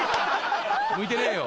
向いてねえよ。